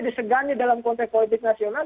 disegani dalam konteks politik nasional